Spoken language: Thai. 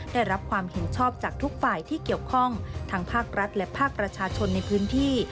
ได้รับความเห็นชอบจากทุกฝ่ายที่เกี่ยวข้องทั้งภาครัฐและภาคประชาชนในพื้นที่